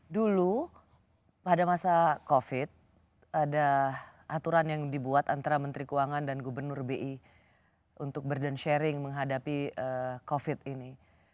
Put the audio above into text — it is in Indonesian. dulu pada masa covid ada aturan yang dibuat antara menteri keuangan dan gubernur bi untuk burden sharing menghadapi covid ini